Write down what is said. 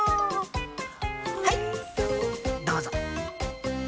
はいどうぞ。